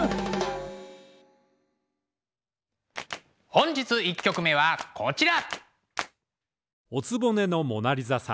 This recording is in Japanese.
本日１曲目はこちら。